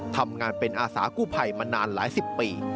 ทำงานเป็นอาสากู้ภัยมานานหลายสิบปี